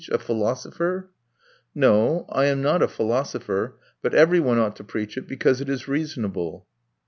A philosopher?" "No, I am not a philosopher, but everyone ought to preach it because it is reasonable."